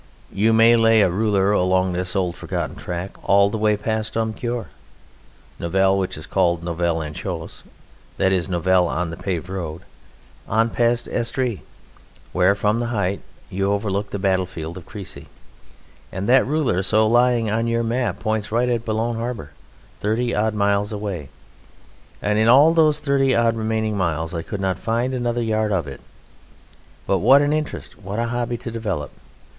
You may lay a ruler along this old forgotten track, all the way past Domqueur, Novelle (which is called Novelle en Chaussée, that is Novelle on the paved road), on past Estrée (where from the height you overlook the battlefield of Crécy), and that ruler so lying on your map points right at Boulogne Harbour, thirty odd miles away and in all those thirty odd remaining miles I could not find another yard of it. But what an interest! What a hobby to develop!